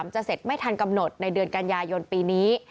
จะเสร็จไม่ทันกำหนดในเดือนกันยายนปีนี้